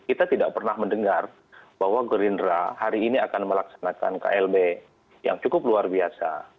kita tidak pernah mendengar bahwa gerindra hari ini akan melaksanakan klb yang cukup luar biasa